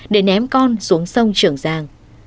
để ném con xuống sông trưởng giang